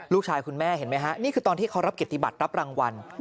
คุณแม่เห็นไหมฮะนี่คือตอนที่เขารับเกียรติบัตรรับรางวัล